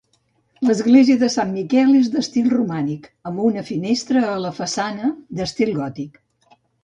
L'església de Sant Miquel és d'estil romànic, amb un finestral a la façana d'estil gòtic.